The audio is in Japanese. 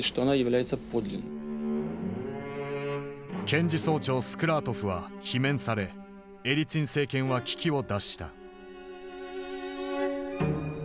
検事総長スクラートフは罷免されエリツィン政権は危機を脱した。